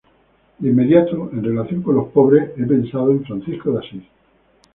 De inmediato, en relación con los pobres, he pensado en Francisco de Asís.